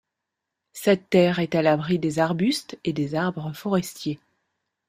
Cette terre est à l'abri des arbustes et des arbres forestiers.